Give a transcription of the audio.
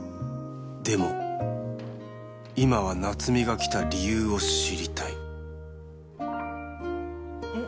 でも今は夏美が来た理由を知りたいん？